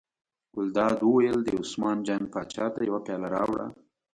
ګلداد وویل: دې عثمان جان پاچا ته یوه پیاله راوړه.